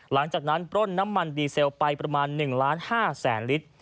หลังจากนั้นปล้นน้ำมันดีเซลไปประมาณ๑ล้าน๕แสนลิตร